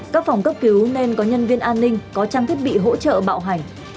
các phòng cấp cứu nên có nhân viên an ninh có trang thiết bị hỗ trợ bạo hành